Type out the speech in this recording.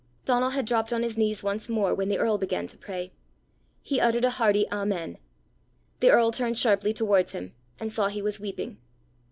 Donal had dropped on his knees once more when the earl began to pray. He uttered a hearty Amen. The earl turned sharply towards him, and saw he was weeping.